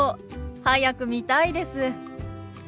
早く見たいです。